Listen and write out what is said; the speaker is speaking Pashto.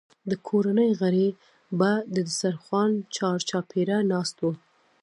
د کورنۍ غړي به د دسترخوان چارچاپېره ناست وو.